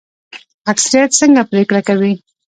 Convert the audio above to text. اکثریت څنګه پریکړه کوي؟